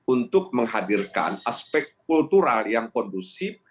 untuk menghadirkan aspek kultural yang kondusif